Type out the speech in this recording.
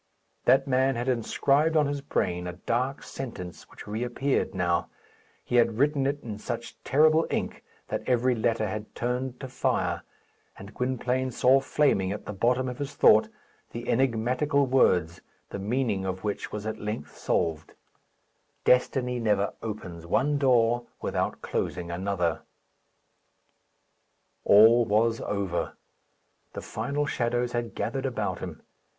That man had inscribed on his brain a dark sentence which reappeared now; he had written it in such terrible ink that every letter had turned to fire; and Gwynplaine saw flaming at the bottom of his thought the enigmatical words, the meaning of which was at length solved: "Destiny never opens one door without closing another." All was over. The final shadows had gathered about him.